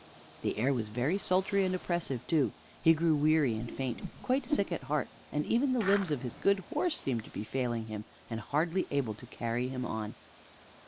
The air was very sultry and oppressive, too; he grew weary and faint, quite sick at heart, and even the limbs of his good horse seemed to be failing him, and hardly able to carry him on.